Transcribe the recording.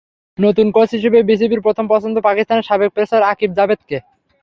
নতুন কোচ হিসেবে বিসিবির প্রথম পছন্দ পাকিস্তানের সাবেক পেসার আকিব জাভেদকে।